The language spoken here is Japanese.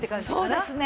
そうですね。